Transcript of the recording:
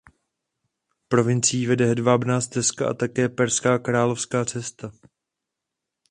Provincií vede hedvábná stezka a také Perská královská cesta.